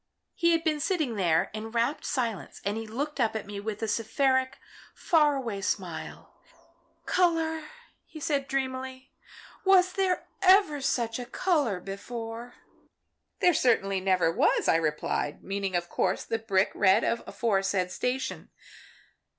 "He had been sitting there in rapt silence and he looked up at me with a seraphic, far away smile. 'Colour,' he said, dreamily, 'was there ever such a colour before?' "'There certainly never was,' I replied, meaning of course the brick red of the aforesaid station.